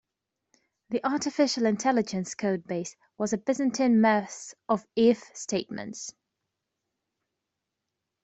The artificial intelligence codebase was a byzantine mess of if statements.